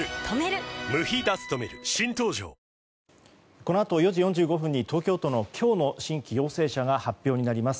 このあと４時４５分に東京都の今日の新規陽性者が発表になります。